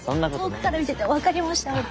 遠くから見てて分かりましたもん。